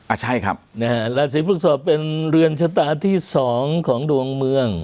อ่าใช่ครับลาศีพฤกษอบเป็นเรือนชะตาที่๒ของดวงเมือง